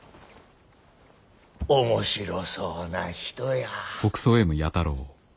面白そうな人や。